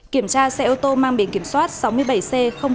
kiểm tra xe ô tô mang biển kiểm soát sáu mươi bảy c bảy mươi bốn